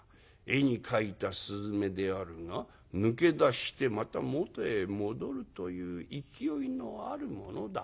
絵に描いた雀であるが抜け出してまた元へ戻るという勢いのあるものだ。